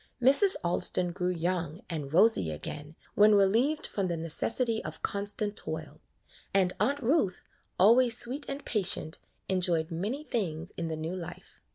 Mrs. Alston grew young and rosy again when relieved from the necessity of con stant toil, and Aunt Ruth, always sweet and patient, enjoyed many things in the new life.